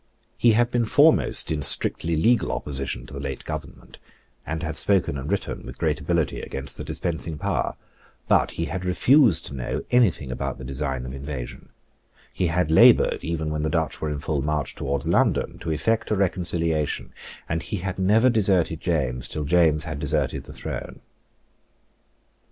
He had been foremost in strictly legal opposition to the late Government, and had spoken and written with great ability against the dispensing power: but he had refused to know any thing about the design of invasion: he had laboured, even when the Dutch were in full march towards London, to effect a reconciliation; and he had never deserted James till James had deserted the throne.